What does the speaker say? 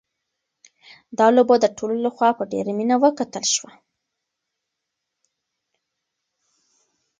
دا لوبه د ټولو لخوا په ډېره مینه وکتل شوه.